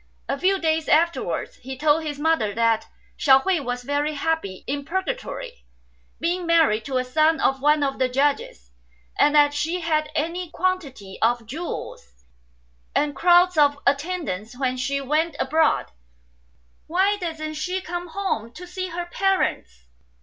A few days after wards he told his mother that Hsiao hui was very happy in Purgatory, being married to a son of one of the Judges ; and that she had any quantity of jewels, 3 and crowds of attendants when she went abroad. "Why doesn't she come home to see her parents